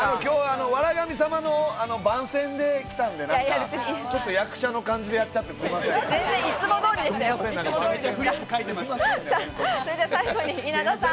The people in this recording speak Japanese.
『笑神様』の番宣で来たんで、ちょっと役者の感じでやっちゃってすいません。